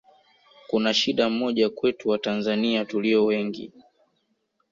kuna shida moja kwetu Watanzania tulio wengi